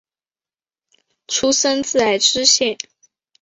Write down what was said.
出身自爱知县。